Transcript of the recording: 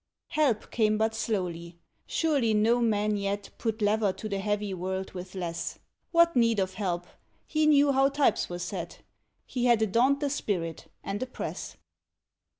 Help came but slowly; surely no man yet Put lever to the heavy world with less: What need of help? He knew how types were set, He had a dauntless spirit, and a press.